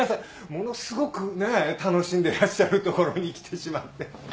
ものすごくねぇ楽しんでらっしゃるところに来てしまって。